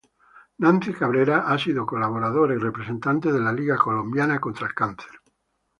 Nancy Cabrera ha sido colaboradora y representante de La Liga colombiana contra el Cáncer.